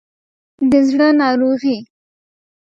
د زړه ناروغي